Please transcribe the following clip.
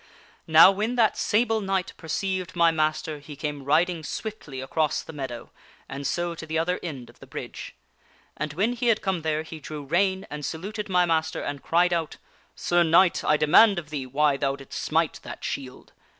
" Now when that Sable Knight perceived my master he came riding swiftly across the meadow and so to the other end of the bridge. And when he had come there he drew rein and saluted my master and cried out, * Sir Knight, I demand of thee why thou didst smite that shield.